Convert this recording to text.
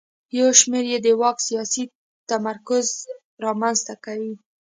یو شمېر یې د واک سیاسي تمرکز رامنځته کوي.